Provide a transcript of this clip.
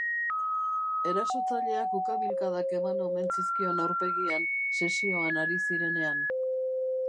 Erasotzaileak ukabilkadak eman omen zizkion aurpegian sesioan ari zirenean.